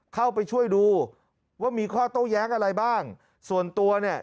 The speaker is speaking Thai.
เข้าไปช่วยดูว่ามีข้อโต้แย้งอะไรบ้างส่วนตัวเนี่ย